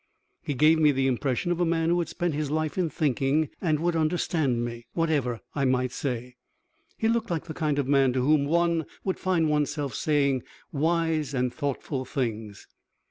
He gave me the impression of a man who had spent his life in thinking and would understand me, whatever I might say. He looked like the kind of man to whom one would find one's self saying wise and thoughtful things.